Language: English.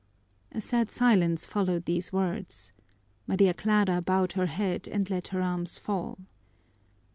A sad silence followed these words. Maria Clara bowed her head and let her arms fall.